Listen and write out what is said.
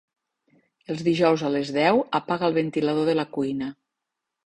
Els dijous a les deu apaga el ventilador de la cuina.